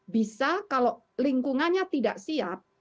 bisa kalau lingkungannya tidak siap